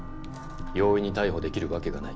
容易に逮捕できるわけがない。